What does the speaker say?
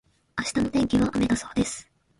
明日の天気は雨だそうです。